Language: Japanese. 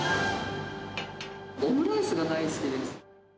オムライスが大好きです。